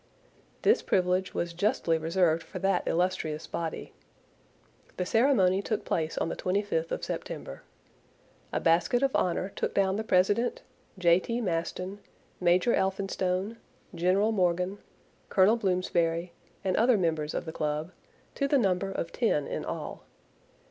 This privilege was justly reserved for that illustrious body. The ceremony took place on the 25th of September. A basket of honor took down the president, J. T. Maston, Major Elphinstone, General Morgan, Colonel Blomsberry, and other members of the club, to the number of ten in all.